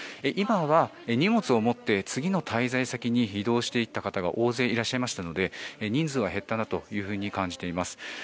今は荷物を持って次の滞在先に移動していった方が大勢いらっしゃいましたので人数が減ったなと感じます。